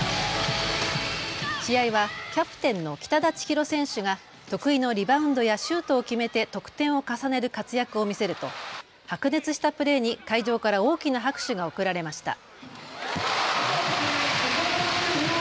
試合はキャプテンの北田千尋選手が得意のリバウンドやシュートを決めて得点を重ねる活躍を見せると白熱したプレーに会場から大きな拍手が送られました。